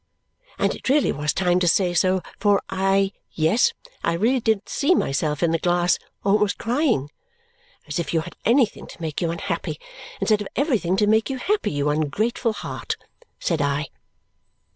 And it really was time to say so, for I yes, I really did see myself in the glass, almost crying. "As if you had anything to make you unhappy, instead of everything to make you happy, you ungrateful heart!" said I.